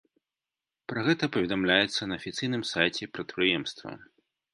Пра гэта паведамляецца на афіцыйным сайце прадпрыемства.